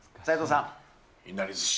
いなりずし。